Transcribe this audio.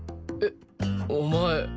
えっお前。